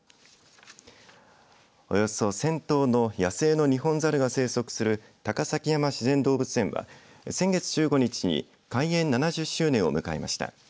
およそ１０００頭の野生のニホンザルが生息する高崎山自然動物園は先月１５日に開園７０周年を迎えました。